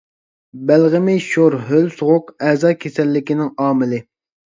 بەلغىمى شور ھۆل سوغۇق ئەزا كېسەللىكىنىڭ ئامىلى.